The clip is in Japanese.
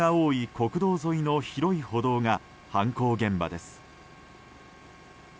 国道沿いの広い歩道が犯行現場です。